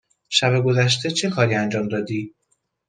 شب گذشته چه کاری انجام دادی؟